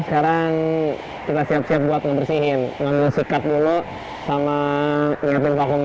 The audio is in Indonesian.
sekarang kita siap siap buat ngebersihin nge sikat dulu sama nge paint vacuum nya